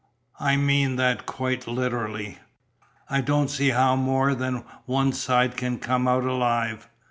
I mean that quite literally. I don't see how more than one side can come out alive.